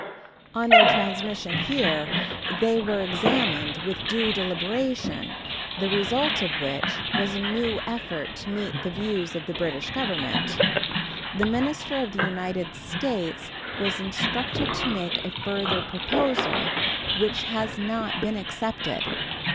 On their transmission here they were examined with due deliberation, the result of which was a new effort to meet the views of the British Government. The minister of the United States was instructed to make a further proposal, which has not been accepted.